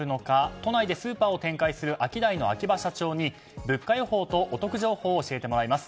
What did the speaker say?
都内でスーパーを展開するアキダイの秋葉社長に物価予報とお得情報を教えてもらいます。